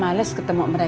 mak malas ketemu mereka